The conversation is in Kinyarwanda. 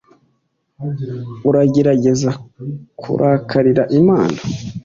uragerageza kurakarira imana